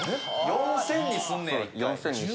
４，０００にすんねや。